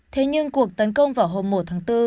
thế nhưng cuộc tấn công vào hôm một tháng bốn